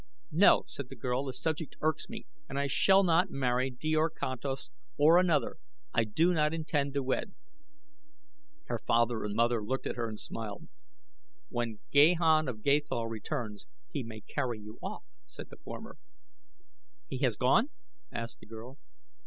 "No," said the girl, "the subject irks me, and I shall not marry Djor Kantos, or another I do not intend to wed." Her father and mother looked at her and smiled. "When Gahan of Gathol returns he may carry you off," said the former. "He has gone?" asked the girl.